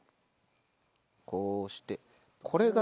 こうしてこれが。